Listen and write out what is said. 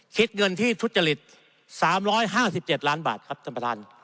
คิดเงินที่ทุจริต๓๕๗ล้านบาทครับท่านประธาน